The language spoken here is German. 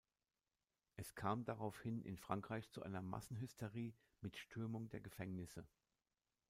Es kam daraufhin in Frankreich zu einer Massenhysterie mit Stürmung der Gefängnisse.